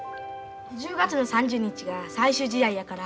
１０月の３０日が最終試合やから。